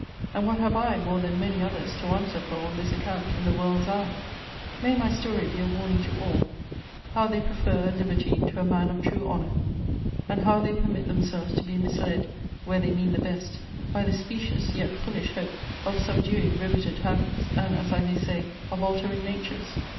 And what have I, more than many others, to answer for on this account in the world's eye? May my story be a warning to all, how they prefer a libertine to a man of true honour; and how they permit themselves to be misled (where they mean the best) by the specious, yet foolish hope of subduing riveted habits, and, as I may say, of altering natures!